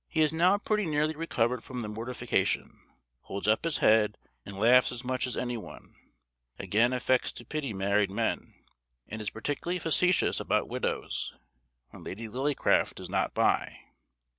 "] He has now pretty nearly recovered from the mortification; holds up his head, and laughs as much as any one; again affects to pity married men, and is particularly facetious about widows, when Lady Lillycraft is not by.